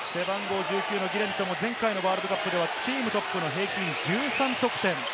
ギレントも前回のワールドカップではチームトップの平均１３得点。